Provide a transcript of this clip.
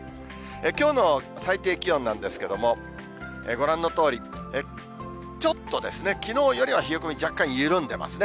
きょうの最低気温なんですけれども、ご覧のとおり、ちょっとですね、きのうよりは冷え込み、若干緩んでますね。